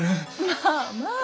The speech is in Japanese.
まあまあ！